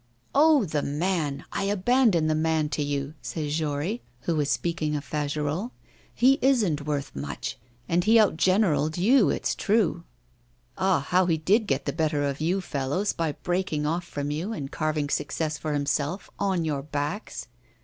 'Oh! the man, I abandon the man to you,' said Jory, who was speaking of Fagerolles. 'He isn't worth much. And he out generalled you, it's true. Ah! how he did get the better of you fellows, by breaking off from you and carving success for himself on your backs!